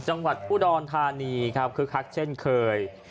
จังหวัดอุดรธานีครับคึกคักเช่นเคย